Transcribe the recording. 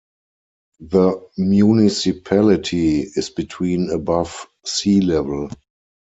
The municipality is between above sea level.